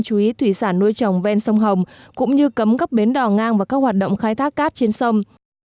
chú ý thủy sản nuôi trồng ven sông hồng cũng như cấm các bến đò ngang và các hoạt động khai thác cát trên sông